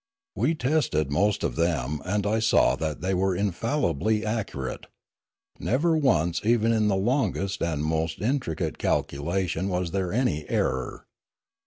We tested most of them and I saw that they were infallibly accurate; never once even in the longest and most intricate calculation was there any error.